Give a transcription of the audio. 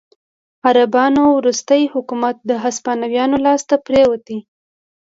عربانو وروستی حکومت د هسپانویانو لاسته پرېوت.